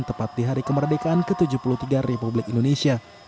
tepat di hari kemerdekaan ke tujuh puluh tiga republik indonesia